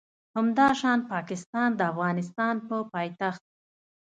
همداشان پاکستان د افغانستان په پایتخت